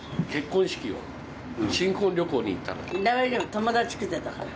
友達来てたから。